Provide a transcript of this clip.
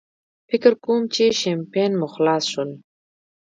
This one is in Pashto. فکر کوم چې شیمپین مو خلاص شول.